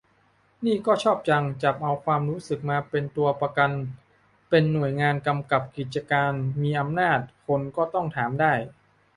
นี่ก็ชอบจัง จับเอาความรู้สึกมาเป็นตัวประกัน เป็นหน่วยงานกำกับกิจการ มีอำนาจ คนก็ต้องถามได้